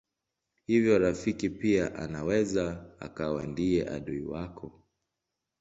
Hivyo rafiki pia anaweza akawa ndiye adui wako.